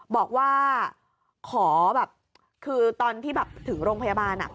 บอกว่าขอแบบคือตอนที่แบบถึงโรงพยาบาล